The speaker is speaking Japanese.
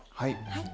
はい。